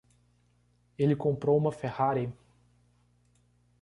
Ele comprou uma Ferrari.